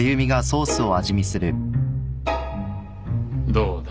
どうだ？